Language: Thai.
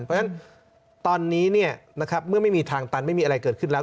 เพราะฉะนั้นตอนนี้เมื่อไม่มีทางตันไม่มีอะไรเกิดขึ้นแล้ว